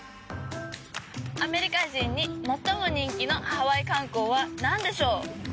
アメリカ人に最も人気のハワイ観光はなんでしょう？